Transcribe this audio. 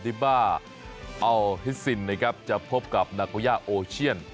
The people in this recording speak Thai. บ้าอัลฮิสซินนะครับจะพบกับนาโกย่าโอเชียน